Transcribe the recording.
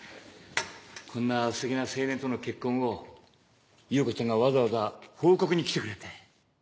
こんなステキな青年との結婚を優子ちゃんがわざわざ報告に来てくれて。